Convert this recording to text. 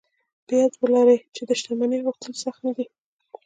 په یاد و لرئ چې د شتمنۍ غوښتل سخت نه دي